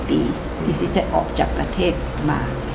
๕๔ปีที่ซิสเตอร์ออกจากประเทศมา